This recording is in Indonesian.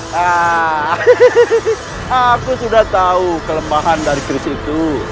hehehe aku sudah tahu kelemahan dari kris itu